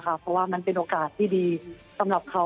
เพราะว่ามันเป็นโอกาสที่ดีสำหรับเขา